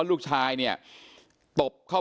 เป็นมีดปลายแหลมยาวประมาณ๑ฟุตนะฮะที่ใช้ก่อเหตุ